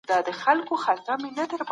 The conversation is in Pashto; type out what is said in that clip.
ولي د نادارو خلګو خبري باطلې ګڼل کیږي؟